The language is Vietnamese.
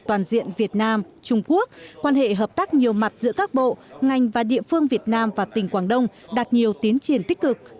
toàn diện việt nam trung quốc quan hệ hợp tác nhiều mặt giữa các bộ ngành và địa phương việt nam và tỉnh quảng đông đạt nhiều tiến triển tích cực